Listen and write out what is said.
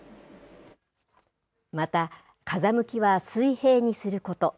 また、風向きは水平にすること。